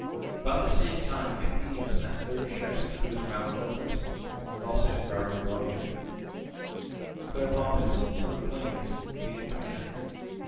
About the same time the Athenians sent thirty ships to cruise round Locris and also to guard Euboea; Cleopompus, son of Clinias, being in command.